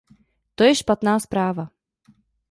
To je špatná zpráva.